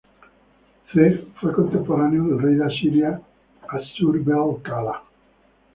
C.. Fue contemporáneo del rey de Asiria, Aššur-bêl-kala.